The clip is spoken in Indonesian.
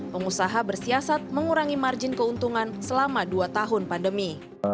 pengusaha bersiasat mengurangi margin keuntungan selama dua tahun pandemi